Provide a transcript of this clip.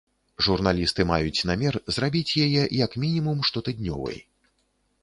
Журналісты маюць намер зрабіць яе як мінімум штотыднёвай.